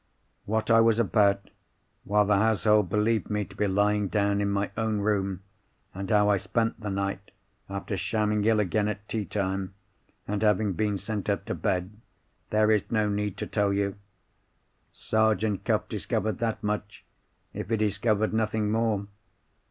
"What I was about, while the household believed me to be lying down in my own room; and how I spent the night, after shamming ill again at tea time, and having been sent up to bed, there is no need to tell you. Sergeant Cuff discovered that much, if he discovered nothing more.